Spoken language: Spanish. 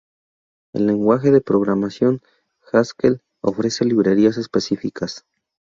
El lenguaje de programación Haskell ofrece librerías específicas.